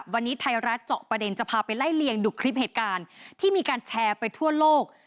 วันนี้ไทยรัฐเจาะประเด็นจะพาไปไล่เลียงดูคลิปเหตุการณ์ที่มีการแชร์ไปทั่วโลก